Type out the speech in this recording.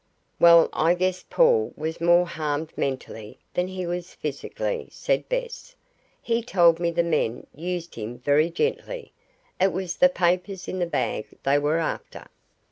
"Well, I guess Paul was more harmed mentally than he was physically," said Bess. "He told me the men used him very gently. It was the papers in the bag they were after."